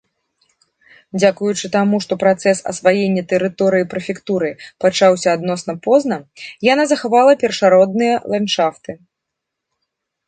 Дзякуючы таму, што працэс асваення тэрыторыі прэфектуры пачаўся адносна позна, яна захавала першародныя ландшафты.